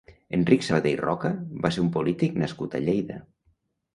Enric Sabaté i Roca va ser un polític nascut a Lleida.